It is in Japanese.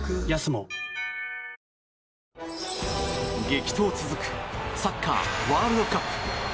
激闘続くサッカーワールドカップ。